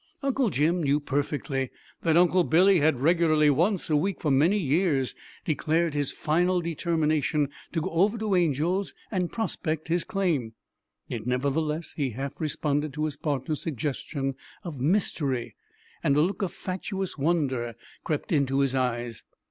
Uncle Jim knew perfectly that Uncle Billy had regularly once a week for many years declared his final determination to go over to Angel's and prospect his claim, yet nevertheless he half responded to his partner's suggestion of mystery, and a look of fatuous wonder crept into his eyes.